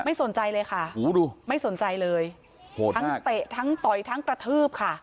ไม่สนใจเลยค่ะไม่สนใจเลยทั้งเตะทั้งต่อยทั้งกระทืบค่ะ